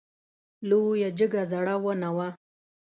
لویه جګه زړه ونه وه .